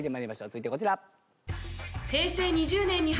続いてこちら。